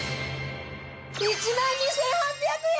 １万２８００円！